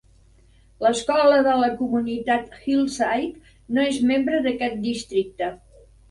L'escola de la comunitat Hillside no és membre d'aquest districte.